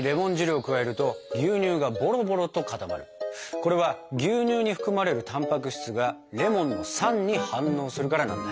これは牛乳に含まれるタンパク質がレモンの酸に反応するからなんだ。